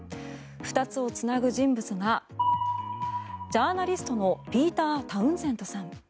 ２つをつなぐ人物がジャーナリストのピーター・タウンゼンドさん。